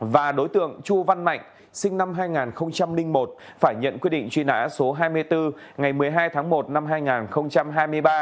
và đối tượng chu văn mạnh sinh năm hai nghìn một phải nhận quyết định truy nã số hai mươi bốn ngày một mươi hai tháng một năm hai nghìn hai mươi ba